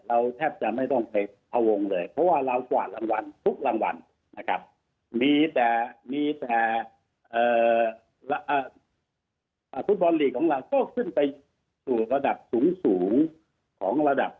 เราแทบจะไม่ต้องไปเอาวงเลยเพราะว่าเรากวาดรางวัลทุกรางวัลนะครับ